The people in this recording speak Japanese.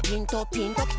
「ピンときた？」